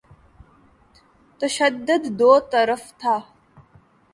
تشدد دوطرفہ تھا۔